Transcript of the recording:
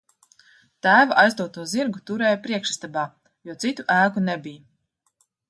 Tēva aizdoto zirgu turēju priekšistabā, jo citu ēku nebija.